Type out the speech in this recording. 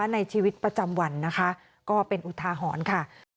ในชีวิตประจำวันนะคะก็เป็นอุทาหรณ์ค่ะ